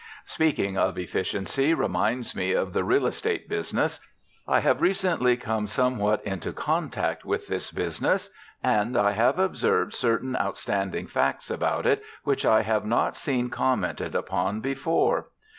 Speaking of efficiency reminds me of the real estate business. I have recently come somewhat into contact with this business and I have observed certain outstanding facts about it which I have not seen commented upon before.